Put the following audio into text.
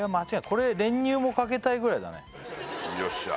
これ練乳もかけたいぐらいだねよっしゃ